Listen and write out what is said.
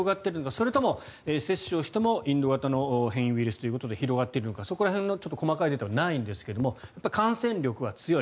それとも接種をした人もインド型の変異ウイルスということで広がっているのか、そこら辺の細かいデータはないんですが感染力は強い。